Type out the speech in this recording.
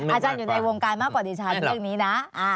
อาจารย์อยู่ในวงการมากกว่าดิฉันเรื่องนี้นะ